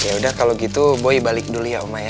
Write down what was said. yaudah kalau gitu boy balik dulu ya oma ya